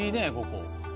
ここ。